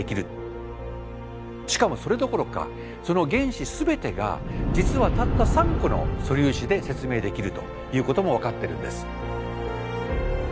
しかもそれどころかその原子すべてが実はたった３個の「素粒子」で説明できるということも分かってるんです。